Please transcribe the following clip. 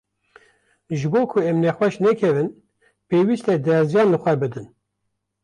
ji bo ku em nexweş nekevin, pêwîst e derziyan li xwe bidin.